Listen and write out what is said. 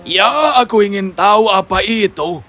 ya aku ingin tahu apa itu